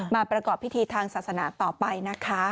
ประกอบพิธีทางศาสนาต่อไปนะคะ